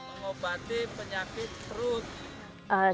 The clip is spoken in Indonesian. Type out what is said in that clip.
mengobati penyakit terus